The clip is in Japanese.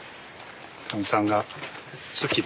かみさんが好きで。